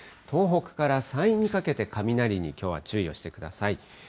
東北から山陰にかけて雷にきょうは注意をしてください。